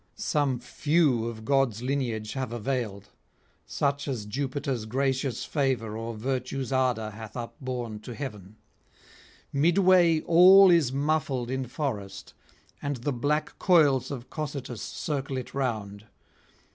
Some few of gods' lineage have availed, such as Jupiter's gracious favour or virtue's ardour hath upborne to heaven. Midway all is muffled in forest, and the black coils of Cocytus circle it round.